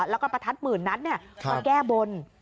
แล้วก็ประทัดหมื่นนัดมาแก้บน